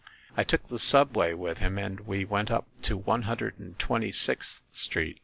"I took the subway with him, and we went up to One Hundred and Twenty sixth Street.